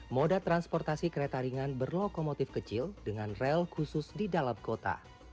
moda transportasi kereta ringan berlokomotif kecil dengan rel khusus di dalam kota